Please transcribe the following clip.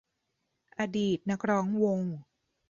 อดีตนักร้องวง